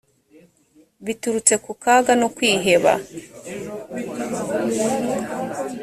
biturutse ku kaga no kwiheba